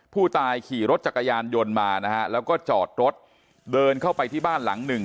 ผู้ตายขี่รถจักรยานยนต์มานะฮะแล้วก็จอดรถเดินเข้าไปที่บ้านหลังหนึ่ง